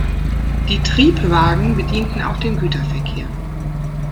Die Triebwagen bedienten auch den Güterverkehr.